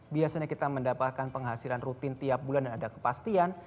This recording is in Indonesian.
biasanya kita mendapatkan penghasilan rutin tiap bulan dan ada kepastian